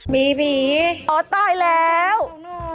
บีบีโอ้ตายแล้ว